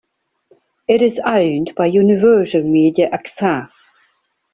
It is owned by Universal Media Access.